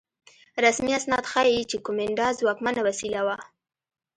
رسمي اسناد ښيي چې کومېنډا ځواکمنه وسیله وه.